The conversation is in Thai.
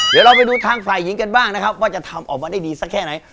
เดี๋ยวเราไปดูทางฝ่ายหญิงกันบ้างนะครับว่าจะทำออกมาได้ดีสักแค่ไหน